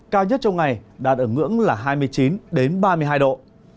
cao nhất trong ngày đạt ở ngưỡng là hai mươi chín ba mươi hai độ